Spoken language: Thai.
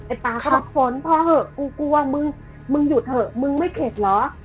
ป๊าก็มาค้นพ่อเถอะกูกลัวมึงมึงหยุดเถอะมึงไม่เข็ดเหรอ